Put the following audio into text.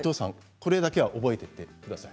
これだけは覚えてください。